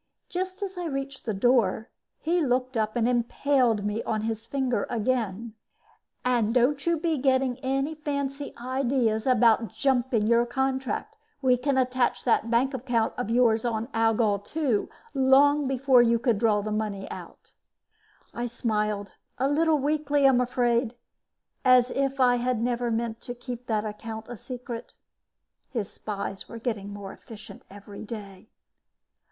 Just as I reached the door, he looked up and impaled me on his finger again. "And don't get any fancy ideas about jumping your contract. We can attach that bank account of yours on Algol II long before you could draw the money out." I smiled, a little weakly, I'm afraid, as if I had never meant to keep that account a secret. His spies were getting more efficient every day.